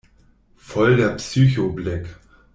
Voll der Psycho-Blick!